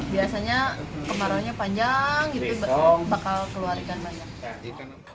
biasanya kemaraunya panjang itu bakal keluar ikan banyak